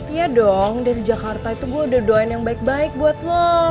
iya dong dari jakarta itu gue udah doain yang baik baik buat lo